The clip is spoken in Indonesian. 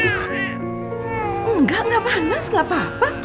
enggak enggak panas lah pak